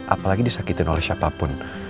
apalagi disakitin oleh siapapun